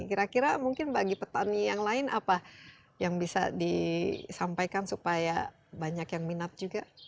kira kira mungkin bagi petani yang lain apa yang bisa disampaikan supaya banyak yang minat juga